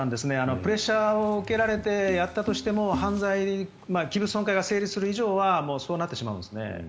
プレッシャーを受けられてやったとしても犯罪、器物損壊が成立する以上はそうなってしまうんですね。